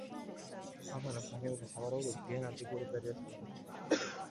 აბანოს ნაგებობა სავარაუდოდ გვიან ანტიკური პერიოდს მიეკუთვნება.